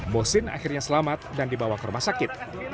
bosin akhirnya selamat dan dibawa ke rumah sakit